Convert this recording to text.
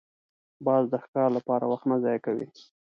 باز د ښکار لپاره وخت نه ضایع کوي